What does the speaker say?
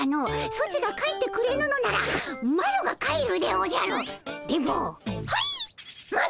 ソチが帰ってくれぬのならマロが帰るでおじゃるっ！